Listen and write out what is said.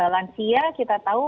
lansia kita tahu